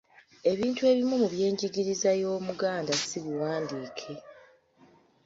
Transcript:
Ebintu ebimu mu by’enjigiriza y’Omuganda si biwandiike.